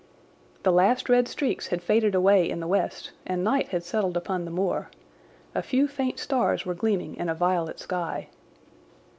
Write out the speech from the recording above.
The last red streaks had faded away in the west and night had settled upon the moor. A few faint stars were gleaming in a violet sky.